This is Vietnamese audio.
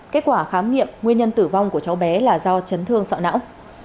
kết quả khám nghiệm nguyên nhân tử vong của cháu bé là do chấn thương sọ não